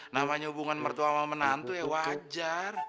namanya hubungan mertua sama menantu ya wajar